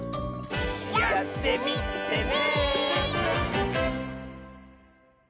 やってみてね！